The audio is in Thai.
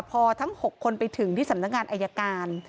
พอทั้ง๖คนไปถึงที่สำนักงานอายการ